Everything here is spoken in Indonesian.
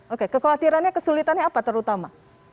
oke kekhawatirannya kesulitannya apa terutama